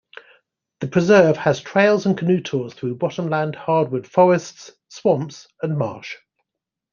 The preserve has trails and canoe tours through bottomland hardwood forests, swamps, and marsh.